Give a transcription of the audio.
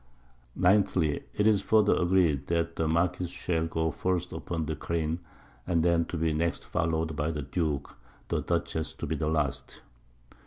_ 9thly, It is further agreed, That the Marquiss shall go first upon the careen; and then to be next followed by the Duke; the Dutchess _to be the last.